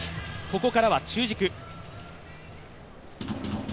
ここからは中軸。